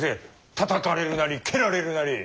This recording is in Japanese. たたかれるなり蹴られるなり。